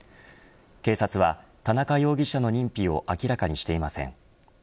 警察は、田中容疑者の認否を明らかにしていません。